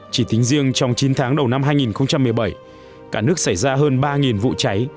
chỉ tính riêng trong chín tháng đầu năm hai nghìn một mươi bảy cả nước xảy ra hơn ba vụ cháy